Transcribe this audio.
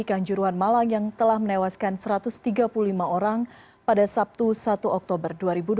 kanjuruhan malang yang telah menewaskan satu ratus tiga puluh lima orang pada sabtu satu oktober dua ribu dua puluh